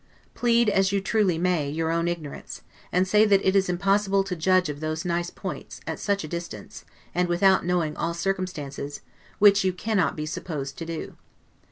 Plead, as you truly may, your own ignorance; and say, that it is impossible to judge of those nice points, at such a distance, and without knowing all circumstances, which you cannot be supposed to do.